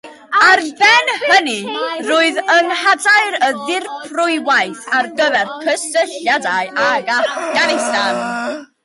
Ar ben hynny roedd yng nghadair y Ddirprwyaeth ar gyfer cysylltiadau ag Affganistan.